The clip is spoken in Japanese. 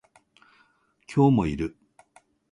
今日もいる